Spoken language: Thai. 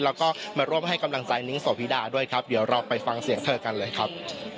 แล้วก็มาร่วมให้กำลังใจนิ้งโสพิดาด้วยครับเดี๋ยวเราไปฟังเสียงเธอกันเลยครับ